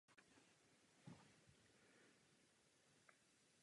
Po skončení války odešel zpět na teologickou fakultu Univerzity Karlovy.